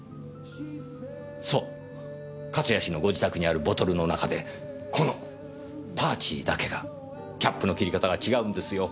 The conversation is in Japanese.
そう勝谷氏のご自宅にあるボトルの中でこの「パーチー」だけがキャップの切り方が違うんですよ。